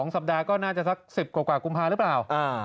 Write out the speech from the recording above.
สัปดาห์ก็น่าจะสัก๑๐กว่ากุมภาหรือเปล่า